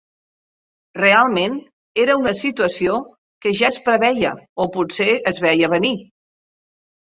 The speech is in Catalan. Realment era una situació que ja es preveia o potser es veia venir.